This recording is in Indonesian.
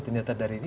ternyata dari dia